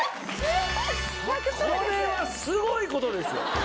これはすごい事ですよ！